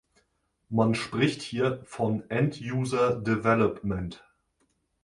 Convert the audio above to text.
Man spricht hier von End User Development.